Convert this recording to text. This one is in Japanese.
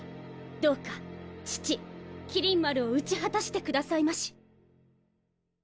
どうか父麒麟丸を討ち果たしてくださいまし。